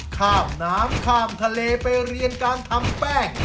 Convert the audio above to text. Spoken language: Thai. ข้ามน้ำข้ามทะเลไปเรียนการทำแป้ง